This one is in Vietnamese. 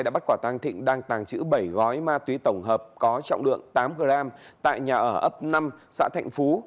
đã bắt quả tăng thịnh đang tàng trữ bảy gói ma túy tổng hợp có trọng lượng tám g tại nhà ở ấp năm xã thạnh phú